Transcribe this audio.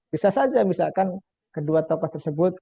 bisa saja misalkan kedua tokoh tersebut